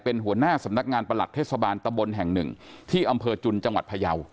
เป็นหัวหน้าสำนักงานประหลัดเทศบาลตะบนแห่งหนึ่งที่อำเภอจุนจังหวัดพยาว